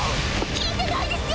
効いてないですよ